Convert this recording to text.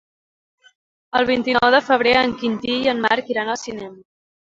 El vint-i-nou de febrer en Quintí i en Marc iran al cinema.